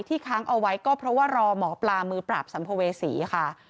ค้างเอาไว้ก็เพราะว่ารอหมอปลามือปราบสัมภเวษีค่ะ